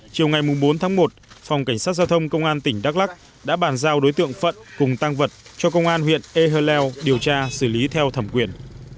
chiều ngày bốn tháng một phòng cảnh sát giao thông công an tỉnh đắk lắc đã bàn giao đối tượng phận cùng tăng vật cho công an huyện eh leo điều tra xử lý theo thẩm quyền